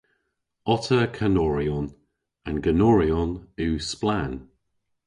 Otta kanoryon. An ganoryon yw splann.